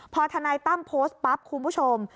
พอทนายตั้มโพสต์ปั๊บคุณผู้ชม